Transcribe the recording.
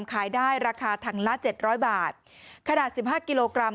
ขายได้ราคาถังละเจ็ดร้อยบาทขนาดสิบห้ากิโลกรัม